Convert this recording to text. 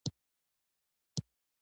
د پاچاهانو کورواک حکومتونه ونړول شول.